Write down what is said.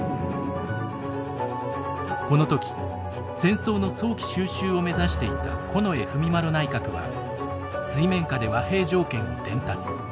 この時戦争の早期収拾を目指していた近衛文麿内閣は水面下で和平条件を伝達。